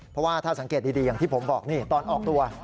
เพราะว่าถ้าสังเกตดีอย่างที่ผมบอกนี่ตอนออกตัว